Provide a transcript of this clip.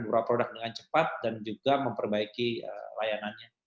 beberapa produk dengan cepat dan juga memperbaiki layanannya